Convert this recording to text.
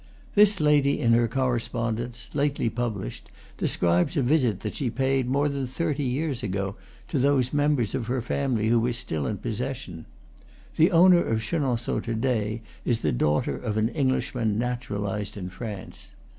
This lady, in her Correspondence, lately published, describes a visit that she paid, more than thirty years ago, to those members of her family who were still in posses sion. The owner of Chenonceaux to day is the daughter of an Englishman naturalized in France.